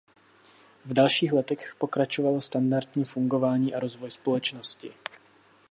V dalších letech pokračovalo standardní fungování a rozvoj společnosti.